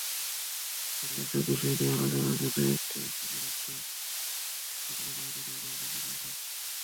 তারা এসব বিষয় নিয়ে আলোচনার জন্য একটি অংশীদারত্ব সংলাপ আয়োজনের অনুরোধও জানিয়েছিল।